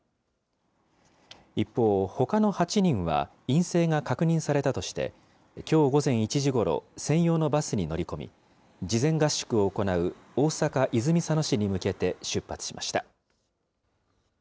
一方、ほかの８人は陰性が確認されたとして、きょう午前１時ごろ、専用のバスに乗り込み、事前合宿を行う大阪・泉佐野市に向けて出発しました。